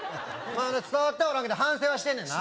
伝わってはおらんけど反省はしてんねんな？